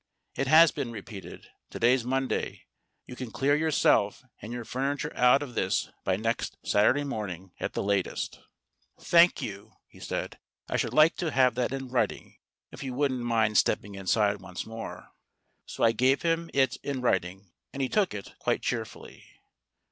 It has been repeated. To day's Monday. You can clear yourself and your furniture out of this by next Saturday morning at the latest." 142 STORIES WITHOUT TEARS "Thank you," he said. "I should like to have that in writing, if you wouldn't mind stepping inside once more." So I gave him it in writing, and he took it quite cheerfully.